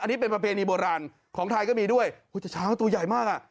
อันนี้เป็นประเพณีโบราณของไทยก็มีด้วยแต่เช้าตัวใหญ่มากอ่ะ